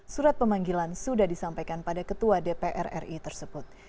surat pemanggilan sudah disampaikan pada ketua dpr ri tersebut